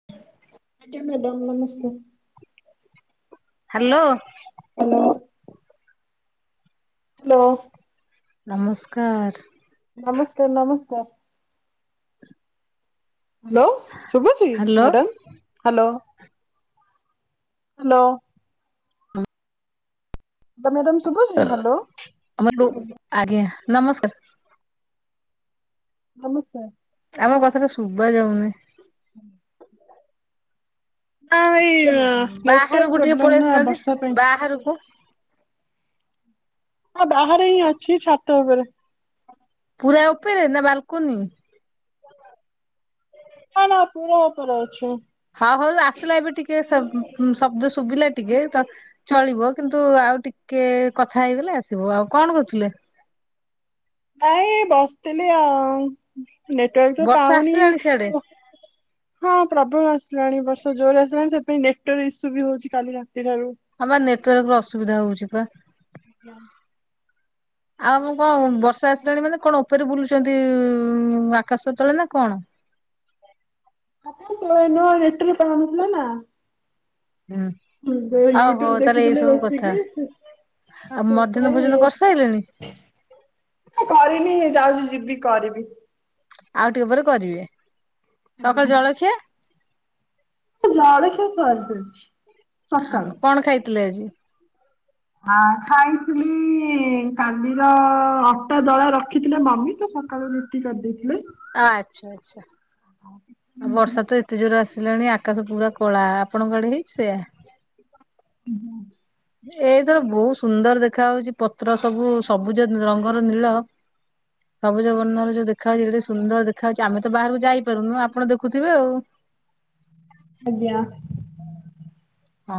[inaudible] ଆଜ୍ଞା ମ୍ୟାଡ଼ାମ୍ ନମସ୍କାର। Hello. Hello. Hello. ନମସ୍କାର। ନମସ୍କାର ନମସ୍କାର। ହାଲୋ ଶୁବୁଚି hello madam. Hello hello. Hello madam ଶୁବୁଚି ହାଲୋ। ଆମର ରୁ ଆଜ୍ଞା ନମସ୍କାର। ନମସ୍କାର। ଆପଣଙ୍କ କଥାଟା ଶୁବା ଯାଉନି। [inaudible] ନା ଏଇ ଟିକେ ନେଟୱାରର୍କ ବାହାରକୁ ଟିକେ ପଳେଇ ପ୍ରୋବ୍ଲେମନା ଆସୁନାହାନ୍ତି ବର୍ଷା ପାଇଁ। ବାହାରକୁ ହଁ ବାହାରେହିଁ ଅଛି ଛାତ ଉପରେ। ପୁରା ଉପେରେ ନା ବାଲୁକୁନି? ନା ନା ପୁରା ଉପରେ ଅଛି। ହଉ ହଉ ଆସିଲା ଏବେ ଟିକେ ଶ ଶବ୍ଦ ଶୁବୁଲା ଟିକେ ତ ଚଳିବ କିନ୍ତୁ ଆଉ ଟିକେ କଥା ହେଇଗଲେ ଆସିବ ଆଉ କଣ କରୁଥିଲେ? ନାଇଁ ବସିଥିଲି ଆଉ ନେଟୱାର୍କତ ବର୍ଷା ପାଉନି ଆସିଲାଣି [inaudible] ହଁ ପ୍ରୋବଳ ଆସିଲାଣି ବର୍ଷା ଜୋରେ ଆସିଲାଣି ସେଥିାଇଁ ନେଟାୱାର୍କ ଇସୁବି ହଉଚି କାଲି ରାତିଠାରୁ। ହଁବା ନେଟୱାର୍କର ଅସୁବିଧା ହଉଚିବା। ଆଜ୍ଞା। [inaudible] ଆଉ ଆମ କଁ ବର୍ଷା ଆସିଲାଣି ମାନେ କଣ ଉପରେ ବୁଲୁଚନ୍ତି ଉ ଆକାଶ ତଳେନା କଣ? ନା ସୟା ନୁହଁ ନେଟୱାରର୍କ ପାଉନଥିଲାନା ହୁଁ। ମୁଁ ଆଉ ହଉ ୟୁଟ୍ୟୁବ ତାହେଲେ ଏଇ ଦେଖୁଥିଲି ସବୁ କଥା ବସିକି। ଆଉ ମଧ୍ୟାହ୍ନ ଭୋଜନ ସେଇଁପାଉଁ କରିସାରିଲେଣି ଅଁ କରିନି ଯାଉଚି ଯିବି କରିବି। ଆଉଟିକେ ପରେ କରିବେ ଆଜ୍ଞା ସକାଳେ ଜଳଖିଆ? ଅଁ ଜାଳିଖିଆ ସରିଯାଇଛି। ଆ କଣ ଖାଇଥିଲେ ଆଜି? ଆ ଖାଇଥିଲି କାଲିର ଅଟା ଦଳା ରଖିଥିଲେ ମମି ତସକାଳୁ ରୁଟି କରିଦେଇଥିଲେ ଆଚ୍ଛା ଆଚ୍ଛା ଆବର୍ଷାତ ଏତେ ଜୋରେ ଆସିଲାଣି ଆକାଶ ପୁରା କଳା ଆପଣଙ୍କ ଆଡ଼େ ହେଇଚି ସେଇଆ? [inaudible] ଏଇଥର ବହୁତ୍ ସୁନ୍ଦର ଦେଖା ହୋଉଛି ପତ୍ର ସବୁ ସବୁଜ ରଙ୍ଗର ନୀଳ। ସବୁଜ ବର୍ଣ୍ଣର ଯୋଉ ଦେଖାହଉଛି ଯଦି ସୁନ୍ଦର ଦେଖା ଯାଉ ଆମେ ତ ବାହାରକୁ ଯାଇପାରୁନୁ ଆପଣ ଦେଖୁଥିବେ ଆଉ। ଆଜ୍ଞା। ହଁ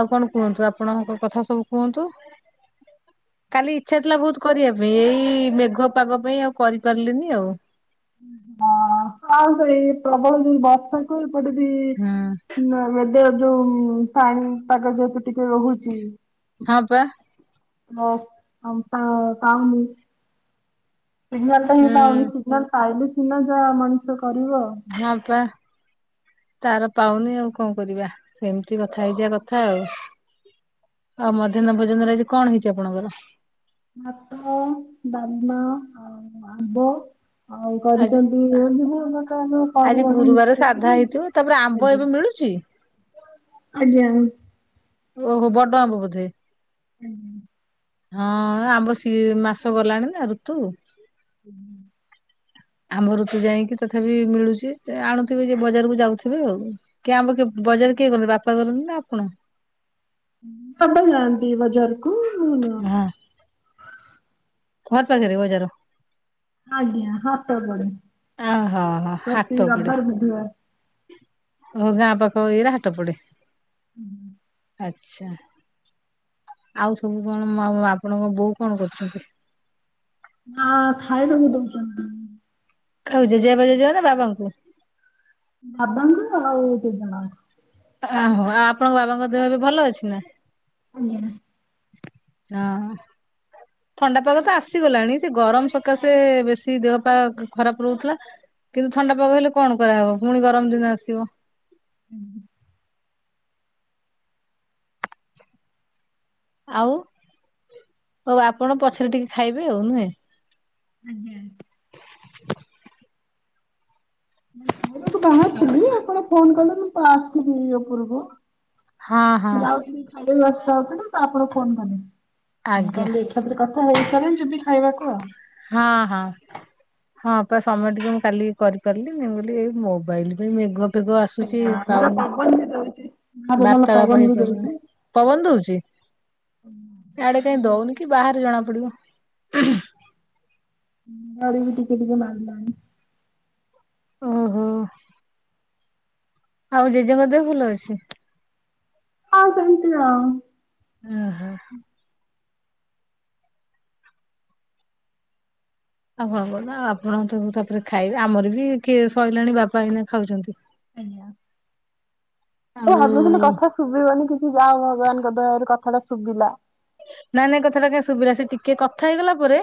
ଆଉ କଣ କୁହନ୍ତୁ, ଆପଣଙ୍କ କଥା ସବୁ କୁହନ୍ତୁ? କାଲି ଇଚ୍ଛା ଥିଲା ବହୁତ୍ କରିବା ପାଇଁ ଏଇ ମେଘୁଆ ପାଗ ପାଇଁ ଆଉ କରିପାରିଲିନି ଆଉ। ହଁ- ହଁ ଆଉ ସେଇ ପ୍ରବଳ ଯୋଉ ବର୍ଷାକୁ ଏପଟେ ବି ହୁଁ [unintelligible] ଯୋଉ ପାଣି ପାଗ ଯେହେତୁ ଟିକେ ରହୁଛି। ହଁ ପା। ହଁ [unintelligible] ସିଗ୍ନାଲ୍ ତ ହିଁ ହୁଁ ପାଉନି ସିଗ୍ନା୍ଲ ପାଇଲେ ସିନା ଯାହା ମଣିଷ କରିବ। ହଁ ପା ତାର ପାଉନି ଆଉ କଣ କରିବା। ସେମିତି କଥା ହେଇଯିବା କଥା ଆଉ। ଭାତ ଆଉ ମଧ୍ୟାହ୍ନ ଭୋଜନରେ ଆଜି କଣ ହେଇଛି ଆପଣଙ୍କର? ଫାଷ୍ଟ୍ ଭାତ -ଅଁ-ଅ, ଡାଲମା ଆଉ ଆମ୍ବ। ଆଉ ଆଜି କରିଛନ୍ତି [unintelligible] କ ଆଜି କରିବା ଗୁରୁବାର ସାଧା ମିଶେଇ ହେଇଥିବ ତାପରେ ଆମ୍ବ ଆଜ୍ଞା। ଏବେ ମିଳୁଛି? ଆଜ୍ଞା, ହୁଁ। ଓହୋ ବଡ ଆମ୍ବ ବୋଧେ? ଆଜ୍ଞା। ହଁ ଆମ୍ବ ସି ମାସ ଗଲାଣି ନା ଋତୁ। ହୁଁ। ଆମ୍ଭ ଋତୁ ଯାଇକି ତଥାପି ମିଳୁଛି ଆଣୁଥିବେ ଯେ ବଜାରକୁ ଯାଉଥିବେ ଆଉ, କି ଆବ କେ ବଜାର କିଏ ଗଲେ ବାପା କରନ୍ତି ନା ଆପଣ? ବାପା ଯାଆନ୍ତି ବଜାର କୁ ଘର୍ ପାଖରେ ବଜାର? ଆଜ୍ଞା ହାଟ ପଡ଼େ। ଆ -ହ -ହ ହାଟ ପଡ଼େ। ବୁଧବାର ଓ ଗାଁ ପାଖ ଏଇରା ହାଟ ପଡେ। ହୁଁଁ। ଆଚ୍ଛା, ଆଉ ସବୁ କଣ ଆପଣଙ୍କ ବୋଉ କଣ କରୁଛନ୍ତି? ମାଆଁ ଖାଇବାକୁ ଦଉଛନ୍ତି। କାଉ ଜେଜେବାପା ଜେଜେମା ନା ବାବାଙ୍କୁ? ବାବା ମା ଆଉ ଦି ଜଣ। ଆହୋ, ଆଉ ଆପଣଙ୍କ ବାବାଙ୍କ ଦେହ ବି ଭଲ ଅଛି ନା? ଆଜ୍ଞା। ହଁ। ଥଣ୍ଡାପାଗ ତ ଆସିଗଲାଣି, ସେ ଗରମ୍ ସକାଶେ ବେଶୀ ଦେହ ପା ଖରାପ୍ ରହୁଥିଲା। କିନ୍ତୁ ଥଣ୍ଡା ପାଗ ହେଲେ କଣ କରାହବ ପୁଣି ଗରମ୍ ଦିନ ଆସିବ। ହୁଁ। ଆଉ ହଉ ଆପଣ ପଛରେ ଟିକେ ଖାଇବେ ଆଉ ନୁହେଁ? ଆଜ୍ଞା। ବାହାର୍ ହ- ହ। ଫୋନ କଲେ ମୁଁ ତ ଆସିଥିଲି ଉପରକୁ ହଁ ହଁ ଯାଉଥିଲି। କାଲି ବର୍ଷା ହଉଥିଲା ତ ଆପଣଙ୍କୁ ଫୋନ କଲି ଆଜ୍ଞା। କାଲିି ତାପରେ କଥା ହେଇ ସାରେ ଯିବି ଖାଇବାକୁ ଆଉ। ହଁ ହଁ। ହଁ ପା ସମୟ ଟିକେ ମୁଁ କାଲି କରିପାରିଲିନି ମୁଁ କହିଲି ଏଇ ମୋବାଇଲ ପାଇଁ ମେଘ - ମେଘ ଆସୁଚି ଆଜ୍ଞା ଆମର ପାଉନି। ପବନ ବି ଦଉଛି। ବାହାରେ ଭଲ ବାର୍ତାଳାପ ପବନ ବି ହେଇପାରୁନି। ଦଉଛି ପବନ ଦଉଚି ଏଆଡେ କାହିଁ ଦଉନି କି ବାହାରେ ଜଣା ପଡିବ। ଆରେ ବି ଟିକେ ଟିକେ ମାରିଲାଣି। ଓହୋ। ଆଉ ଜେଜେଙ୍କ ଦେହ ଭଲ ଅଛି? ହଁ ସେମିତି ଆଉ। ଅଁ ହଁ। ଆପଣଙ୍କର ନା ଆପଣ ତାପରେ ଖାଇବେ ଆମର ବି କିଏ ସଇଲାଣି ବାପା ଏଇନା ଖାଉଛନ୍ତି। ଆଉ ଆଜ୍ଞା [inaudible] କଥା। ଶୁଭିବନି କିଛି ଯାହା ହଉ ଭଗବାନଙ୍କ ଦୟାରୁ କଥା ଟା ଶୁଭିଲା। ନାଇଁ ନାଇଁ କଥାଟା କାଇଁ ସୁବିିଲା ସେ ଟିକେ କଥା ହେଇଗଲା ପରେ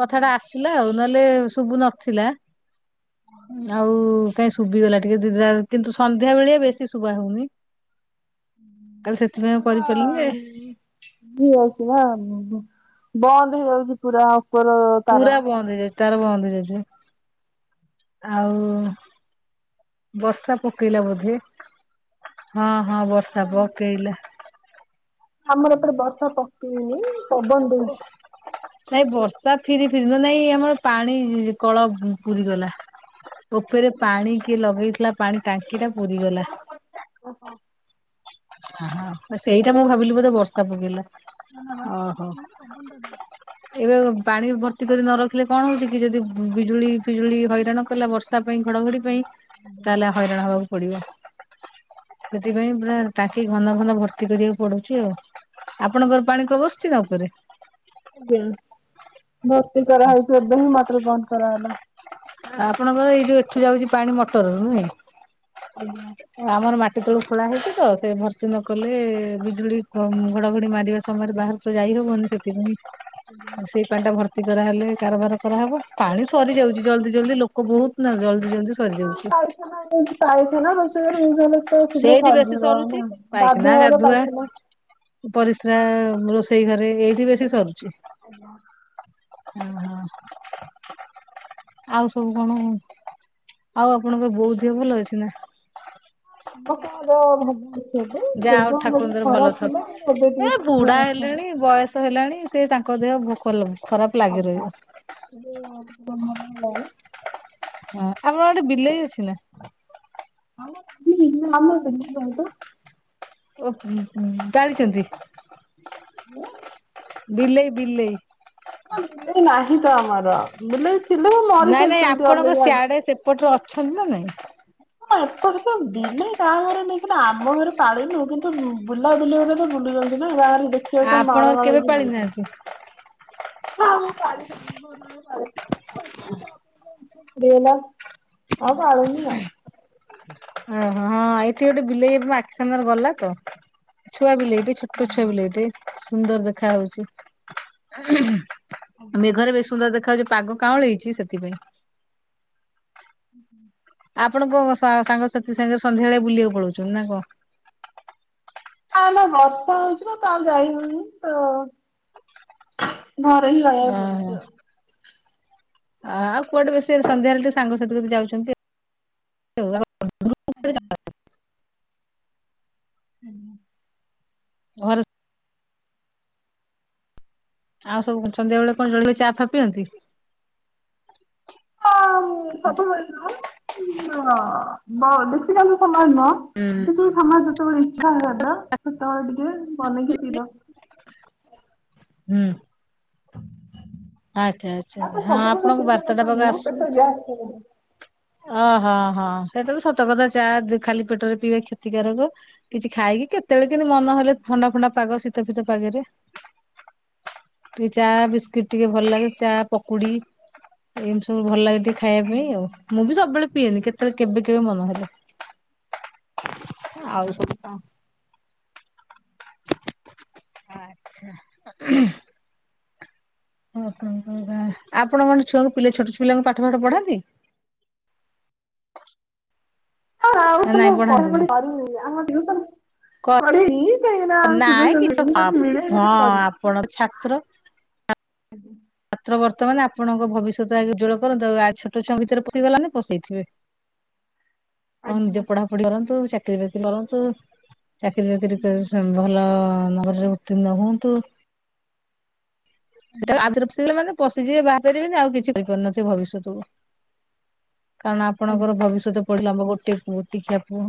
କଥା ଟା ଆସିଲା ଆଉ ନହେଲେ ସୁବୁ ନଥିଲା ଆଉ କାଇଁ ଶୁବିଗଲା ଟିକେ ଧିଧି କିନ୍ତୁ ସନ୍ଧ୍ୟା ବେଳେ ବେଶୀ ଶୁଭା ହଉନି। କାଲି ସେଥିପାଇଁ କରିପାରିଲି ଯେ ଯାଉଚି ନା ବନ୍ଦ ହେଇଯାଉଚି ପୁରା ଉପର ତାର। ପୁରା ବନ୍ଦ ହେଇଯାଉଚି ତାର ବନ୍ଦ ହେଇଯାଇଚି ଆଉ ବର୍ଷା ପକେଇଲା ବୋଧେ ହଁ ହଁ ବର୍ଷା ପକେଇଲା। ଆମର ଏପଟେ ବର୍ଷା ପକେଇନି। ପବନ ଦଉଛି। [unintelligible] ନାଇଁ ବର୍ଷା ଫିରି ଫିରିିବ ନାଇଁ ଆମର ପାଣି କଳ ପୁରିଗଲା। ଉପରେ ପାଣି କିଏ ଲଗେଇଥିଲା ପାଣି ଟାଙ୍କି ଟା ପୁରିଗଲା। ଓହୋ। ସେଇଟା ମୁଁ ଭାବିଲି ବୋଧେ ବର୍ଷା ପକେଇଲା ନା ନା ବର୍ଷା ଓହୋ। ପକେଇନି ପବନ ଟା ଦଉଛି। ଏବେ ପାଣି ଭର୍ତ୍ତି କରି ନ ରଖିଲେ କଣ ହଉଚି କି ଯଦି ବିଜୁଳି ଫିଜୁଳି ହଇରାଣ କଲା ବର୍ଷ ତା ପାଇଁ ଘଡଘଡି ପାଇଁ ତାହେଲେ ହଇରାଣ ହବାକୁ ପଡିବ ସେଥିପାଇଁ ପୁରା ଟାଙ୍କି ଘନ ଘନ ଭର୍ତ୍ତି କରିବାକୁ ପଡୁଚି ଆଉ ଆପଣଙ୍କର ପାଣି [inaudible] ବସିଚି ନା ଉପରେ? ଆଜ୍ଞା ଭର୍ତି କରା ହେଇଚି ଏବେ ହିଁ ମଟର ବନ୍ଦ କରାହେଲା। ଆପଣଙ୍କର ଏଇ ଯୋଉ ଏଠୁ ଯାଉଚି ପାଣି ମଟରରୁ ନୁହେଁ? ଆଜ୍ଞା‌। ଆମର ମାଟି ତଳୁ ଖୋଳା ହେଇଚି ତ ସେ ଭର୍ତି ନ କଲେ ବିଜୁଳି ଘଡଘଡି ମାରିବା ସମୟରେ ବାହାର ତ ଯାଇ ହବନି ସେଥିପାଇଁ ଆଉ ସେଇ ପାଣି ଟା ଭ କ୍ତି କରାହେଲେ କାରବାର କରାହବ ପାଣି ସରିଯାଉଚି ଜଲଦି ଜଲଦି ଲୋକ ବହୁତନା ଜଲଦି ଜଲଦି ହଁ ଯାଉଚି। ପାଇଖାନା ପାଇଖାନା ରୋଷେଇଘର ୟୁଜୁ ହେଲେ ତ ଶୀଘ୍ର ସେଇଠି ବେଶୀ ସରିଯିବ ସରୁଛି ନା ପାଇଖାନା ଗାଧୁଆ ଘର ପାଇଖାନା ପରିସ୍ରା ରୋଷେଇ ଘରେ ଏଇଠି ବେଶୀ ସରୁଚି। ଆଜ୍ଞା। ହୁଁ ହଁ। ଆଉ ସବୁ କଣ ଆଉ ଆପଣଙ୍କର ବୋଉଦିହ ଭଲ ଅଛି ନା? ସମସ୍ତଙ୍କର ଭଲ। [inaudible] ଯାହା ହଉ ଜେଜେଙ୍କ ଦେହ ଟିକେ ଠାକୁରଙ୍କ ଦୟାରୁ ଖରାପ ଭଲ ଥିଲା କିନ୍ତୁ ଏବେ ଥାଉ ଟିକେ ଏ ଠିକ୍ ବୁଢା ଠାକ୍ ଅଛନ୍ତି। ହେଲେଣି ବୟସ ହେଲାଣି ସେ ତା ଭୋକ ଦେହ ଭୋକ [unintelligible] ଖରାପ ଲାଗି ରହିବ। [unintelligible] ହୋଉ ହଁ ଆମର ଗୋଟେ ବିଲେଇ ଅଛି ନା। [unintelligible] [unintelligible] ଜାଣିଛନ୍ତି [unintelligible] ବିଲେଇ ବିଲେଇ। ବିଲେଇ ନାହିଁ ତ ଆମର, ବିଲେଇ ଥିଲେ ମରିସାରଛନ୍ତି ଅଲଗ [unintelligible] ଏପଟରେ ଅଛନ୍ତି ନା ନାଇଁ ହଁ ଏପଟ [unintelligible] ବିଲେଇ କାହା ଘରେ ନେଇ [unintelligible] ଆମ ଘରେ [unintelligible] ବୁଲା ବୁଲି [unintelligible] ତ ବୁଲୁଛନ୍ତି [unintelligible] ଦେଖିବା ତ ଆପଣ ମାଳ କେବେ ମାଳ ପାଳି [unintelligible] ନାହାନ୍ତି? ହଁ ମୁଁ ପାର [unintelligible] ଡଲା ଆଉ [unintelligible] ଓହୋ ହଁ ଏଇଠି ଗୋଟେ ବିଲେଇ ମୋ ଆଖି ସାମ୍ନା ରେ ଗଲା ତ ଛୁଆ ବିଲେଇ। ଏ ଛୋଟ ଛୁଆ ବିଲେଇ ଟିଏ ସୁନ୍ଦର ଦେଖା ହୋଉଚି। ମେଘରେ ବେଶ ସୁନ୍ଦର ଦେଖା ଯାଉଛି ପାଗ କାଁଳିଇଛି ସେଥିପାଇଁ। ହୁଁ ହୁଁ। ଆପଣଙ୍କ ସାଙ୍ଗସାଥି ସାଙ୍ଗ ସନ୍ଧ୍ୟାବେଳେ ବୁଲିବାକୁ ପାଲୋଉଛନ୍ତି ନା କଣ? ନା ନା ବର୍ଷା ହଉଛି ନା ତ ଆଉ ଯାଇ ହଉନି, ତ ଘରେ ହିଁ ରହିବାକୁ ପଡୁଚି ଆଉ। ହ ଆଉ କୁଆଡେ ବେଶୀ ସନ୍ଧ୍ୟାରେ ଟିକେ ସାଙ୍ଗସାଥି [unintelligible] ଯାଉଛନ୍ତି। [unintelligible] ଆଜ୍ଞା। ହୁଁ। ଘରେ ଆଉ ସବୁ ସନ୍ଧ୍ୟାବେଳେ କଣ [unintelligible] ଚା ଫା ପିଅନ୍ତି। ହଁ ସବୁବେଳେ [unintelligible] ଆଜିକାଲି [unintelligible] ସମାନ ନୁହଁ [unintelligible] କିଛି ସମାଜ ଯେତେବେଳେ ଇଚ୍ଛା ହେଇଗଲା ସେତେବେଳେ ଟିକେ ମନେ [unintelligible] ହୁଁ। ଆଚ୍ଛା ଆଚ୍ଛା ନା ତ ହଁ ସବୁବେଳେ ଆପଣଙ୍କ ପିଇବା ବାର୍ତ୍ତା କଥା ଟା [unintelligible] [unintelligible] ଓହୋ ହଁ ସେଇଟା [unintelligible] ସତକଥା ଚା ଖାଲି ପେଟରେ ପିଇବା କ୍ଷତିକାରକ। କିଛି ଖାଇକି କେତେବେଳେ କି ମନହଲେ ଥଣ୍ଡା ଫଣ୍ଡା ପାଗ ଶୀତ ଫିତ ପାଗରେ ଚା ବିସ୍କୁିଟ ଟିକେ ଭଲ ଲାଗେ ଚା ପକୁଡି। ଏମିତି ସବୁ ଭଲ ଲାଗେ ଟିକେଖାଇବା ପାଇଁ ଆଜ୍ଞା। ଆଉ। ମୁଁ ବି ସବୁବେଳେ ପିଏନି କେତେବେଳେ କେବେ କେବେ ମନ ହେଲେ ଆଉ ସବୁ କଣ? ନା କିଛି ନାହିଁ। ଆପଣ କଣ ଛୁଆଙ୍କୁ ଛୋଟପିଲାଙ୍କୁ ପାଠ ଫଠ ପଢାନ୍ତି? [unintelligible] ହଁ ଆଉ ନା ନାଇଁ ତୁମକୁ [unintelligible] ପଢାନ୍ତିନି? ପଢ଼ାପଢି [unintelligible] ଆମ ଟିଉସନ। ପଢେନି କାହିଁକିନା [unintelligible] ନାଇଁ ସୁଯୋଗ କିଛି ମିଳିନି ଯଦି ହଁ ମିଳେ ପଢି ଆପଣ ଛାତ୍ର? ଛାତ୍ରବର୍ତ୍ତମାନ ଆପଣଙ୍କ ଭବିଷ୍ୟତ ଆଗେ ଉଜ୍ଵଳ କରନ୍ତୁ ଛୋଟ ଛୁଆ ଭିତରେ ପଶିଗଲା ମାନେ ପଶିଥିବେ। ଆ ନିଜ ଆଜ୍ଞା ପଢାପଢି କରନ୍ତୁ ଚାକିରି ବାକିରି କରନ୍ତୁ। ଚାକିରୀ ବାକିରି କରି ସେମ୍ ଭଲ ଅ ଅ ନମ୍ବରରେ ଉତ୍ତୀର୍ଣ୍ଣ ହୁଅନ୍ତୁ। ଆଜ୍ଞା ସେଟାରେ ଆଉଥରେ ପଶିଗଲା ମାନେ ପଶିଯିବେ ବାହାରି ପାରିବେନି ଆଉ କିଛି କରିପାରୁ ନଥିବେ ଭବିଷ୍ୟତକୁ। କାରଣ ଆଜ୍ଞା ଆପଣଙ୍କର ଭବିଷ୍ୟତ ପଡ଼ିଲା ଆମ ଗୋଟେ ପୁଅ ଗୋଟିକିଆ ପୁଅ।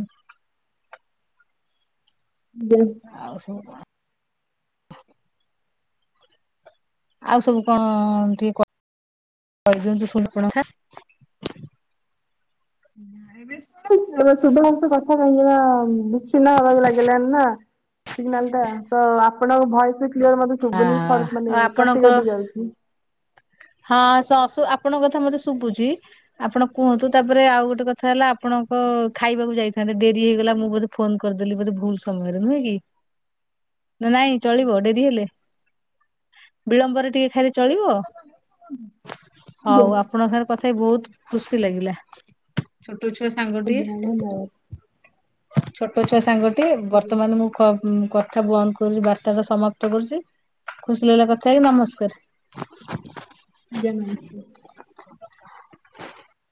[unintelligible] ଆଉ ସବୁ କଣ? ଆଉ ସବୁ କଣ ଅ ଅ ଟିକେ କ କହି ଦିଅନ୍ତୁ ସୁରପଣଖା? ନାଇଁ ବେ ଶୁଣୁ ତୋର ଶୁଭ୍ରାଂଶୁ କଥା କହିଦେଲା ବୁକ୍ ସୁନା ହବାକୁ ଲାଗି ଲାଣି ନା ସିଗ୍ନାଲ ଟା ତ ଆପଣଙ୍କ ଭଏସ ବି କ୍ଳିଅର ମତେ ଶୁଭୁନି ଫଡ଼କ ମାନେ କଟି ଆପଣଙ୍କର କଟି ଯାଉଛି। ହଁ ସେ ଅସୁ ଆପଣଙ୍କ କଥା ମତେ ଶୁବୁଚି। ଆପଣ କୁହନ୍ତୁ ତାପରେ ଆଉ ଗୋଟେ କଥା ହେଲା ଆପଣଙ୍କ ଖାଇବାକୁ ଯାଇଥାଆନ୍ତେ ଡେରି ହେଇଗଲା ମୁଁ ବୋଧେ ଫୋନ୍ କରଦେଲି ବୋଧେ ଭୁଲ ସମୟରେ ନୁହେଁ କି? ନା ନାଇଁ ଚଳିବ ଡେରି ହେଲେ ବିଳମ୍ବରେ ଟିକେ ଖାଇଲେ ଚଳିବ? ଆଜ୍ଞା ହଉ ଆପଣଙ୍କ ସାଙ୍ଗରେ କଥା ହେଇ ବହୁତ ଖୁସି ଲାଗିଲା ଛୋଟ ଛୁଆ ସାଙ୍ଗଟିଏ। ଭଲ ଛୋଟ ଛୁଆ ସାଙ୍ଗଟିଏ ଆଜ୍ଞା ବର୍ତ୍ତମାନ ମୁଁ କ କଥା ବନ୍ଦ କରୁଚି ବାର୍ତ୍ତା ଟା ସମାପ୍ତ କରୁଚି? ଖୁସି ଲାଗିଲା କଥା ହେଇକି ନମସ୍କାର। ଆଜ୍ଞା ନମସ୍କାର।